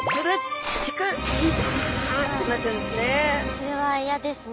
それは嫌ですね。